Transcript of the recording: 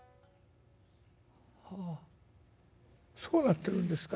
「はあそうなってるんですか？